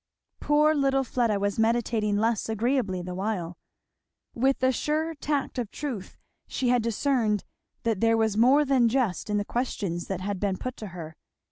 Poor little Fleda was meditating less agreeably the while. With the sure tact of truth she had discerned that there was more than jest in the questions that had been put to her.